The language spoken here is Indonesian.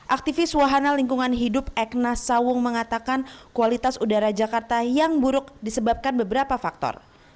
aktivis wahana lingkungan hidup egnas sawung mengatakan kualitas udara jakarta yang buruk disebabkan beberapa faktor